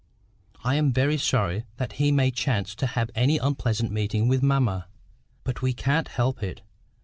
I am very sorry that he may chance to have an unpleasant meeting with mamma; but we can't help it.